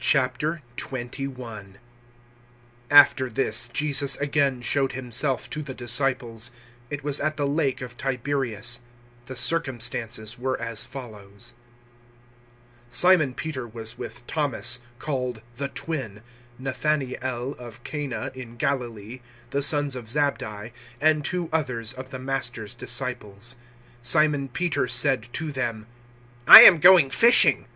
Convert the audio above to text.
021:001 After this, Jesus again showed Himself to the disciples. It was at the Lake of Tiberias. The circumstances were as follows. 021:002 Simon Peter was with Thomas, called the Twin, Nathanael of Cana in Galilee, the sons of Zabdi, and two others of the Master's disciples. 021:003 Simon Peter said to them, "I am going fishing."